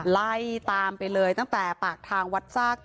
ไล่ตามไปเลยตั้งแต่ปากทางวัดซาก